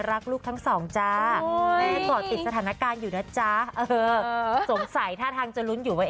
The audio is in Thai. รักลูกทั้งสองจ้าแม่ก่อติดสถานการณ์อยู่นะจ๊ะสงสัยท่าทางจะลุ้นอยู่ว่า